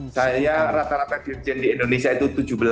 saya rata rata dirjen di indonesia itu tujuh belas enam belas delapan belas